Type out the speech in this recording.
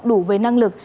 đủ với năng lực